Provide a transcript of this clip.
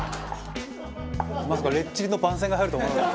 「まさかレッチリの番宣が入るとは思わなかった」